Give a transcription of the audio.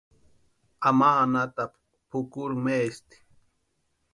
Ama anhatapu pʼukuri maesti.